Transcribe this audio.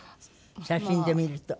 写真で見ると。